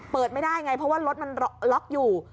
เปิดไม่ได้ไงเพราะว่ารถมันล็อกอยู่